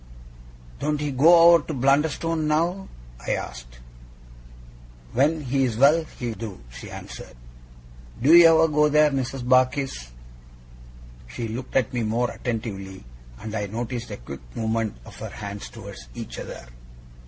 'Don't he go over to Blunderstone now?' I asked. 'When he's well he do,' she answered. 'Do YOU ever go there, Mrs. Barkis?' She looked at me more attentively, and I noticed a quick movement of her hands towards each other.